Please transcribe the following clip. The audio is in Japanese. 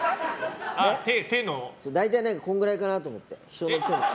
大体このぐらいかなと思って。